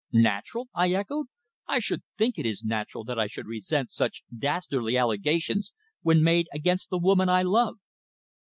"Natural!" I echoed. "I should think it is natural that I should resent such dastardly allegations when made against the woman I love."